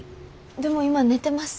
でも今寝てます。